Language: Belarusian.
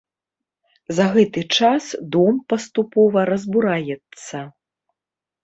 За гэты час дом паступова разбураецца.